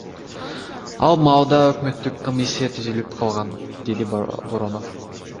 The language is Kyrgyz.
Ал маалда өкмөттүк комиссия түзүлүп калган, — деди Боронов.